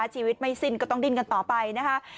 ชีวิตไม่สิ้นก็ต้องดิ้นกันต่อไปนะคะ